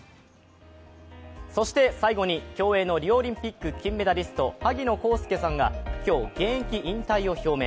最後に、競泳のリオオリンピック金メダリスト、萩野公介さんが今日、現役引退を表明。